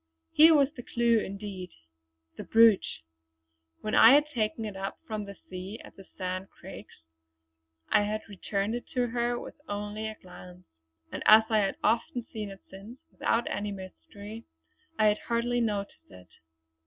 Here was the clue indeed. The brooch! When I had taken it up from the sea at the Sand Craigs I had returned it to her with only a glance; and as I had often seen it since, without any mystery, I had hardly noticed it.